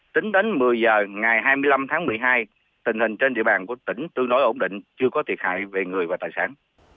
tính đến một mươi h ngày hai mươi năm tháng một mươi hai tình hình trên địa bàn của tỉnh tương đối ổn định chưa có thiệt hại về người và tài sản